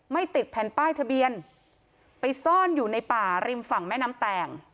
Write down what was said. ติดแผ่นป้ายทะเบียนไปซ่อนอยู่ในป่าริมฝั่งแม่น้ำแตง